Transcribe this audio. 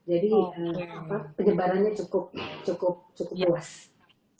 jadi penyebarannya cukup luas